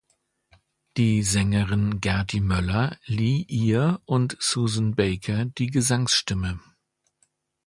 Die Sängerin Gerti Möller lieh ihr und Susan Baker die Gesangsstimme.